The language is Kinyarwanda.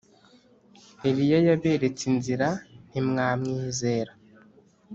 Eliya yaberetse inzira ntimwamwizera.